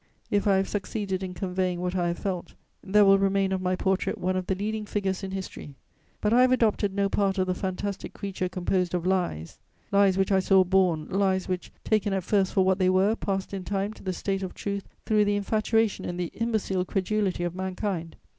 If I have succeeded in conveying what I have felt, there will remain of my portrait one of the leading figures in history; but I have adopted no part of the fantastic creature composed of lies: lies which I saw born, lies which, taken at first for what they were, passed in time to the state of truth through the infatuation and the imbecile credulity of mankind.